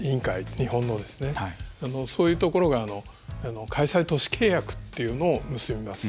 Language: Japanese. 日本のですね、そういうところが開催都市契約というのを結びます。